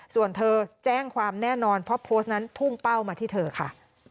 ส่วนเธอแจ้งความแน่นอนเพราะโพสต์นั้นพุ่งเป้ามาที่เธอค่ะ